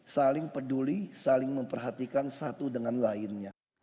saling peduli saling memperhatikan satu dengan lainnya